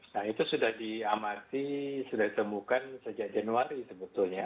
nah itu sudah diamati sudah ditemukan sejak januari sebetulnya